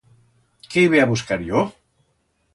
Qué ibe a buscar yo?